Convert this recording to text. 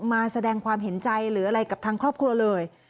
มาแสดงความเห็นใจหรืออะไรกับทางครอบครัวเลย